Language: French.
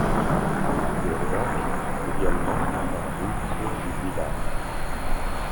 Burbach est également un ruisseau du village.